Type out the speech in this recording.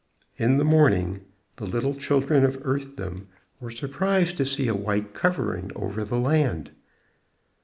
In the morning the little children of Earthdom were surprised to see a white covering over the land.